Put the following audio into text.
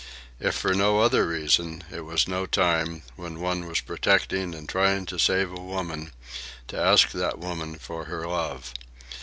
If for no other reason, it was no time, when one was protecting and trying to save a woman, to ask that woman for her love.